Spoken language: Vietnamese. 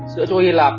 sữa chua hy lạp